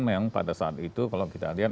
memang pada saat itu kalau kita lihat